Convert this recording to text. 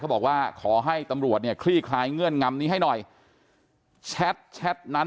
บอกว่าขอให้ตำรวจเนี่ยคลี่คลายเงื่อนงำนี้ให้หน่อยแชทแชทนั้น